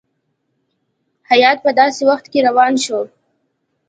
هیات په داسي وخت کې روان شو.